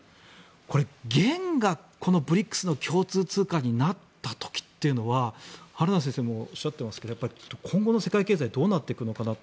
これ、元がＢＲＩＣＳの共通通貨になった時っていうのは春名先生もおっしゃっていますが今後の世界経済どうなっていくのかなと。